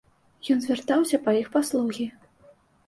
Ён звяртаўся па іх паслугі.